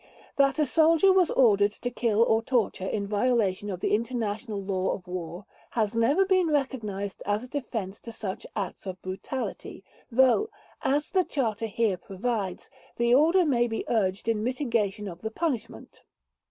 That a soldier was ordered to kill or torture in violation of the international law of war has never been recognized as a defense to such acts of brutality, though, as the Charter here provides, the order may be urged in mitigation of the punishment.